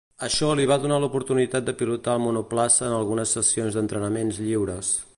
Això li va donar l'oportunitat de pilotar el monoplaça en algunes sessions d'entrenaments lliures.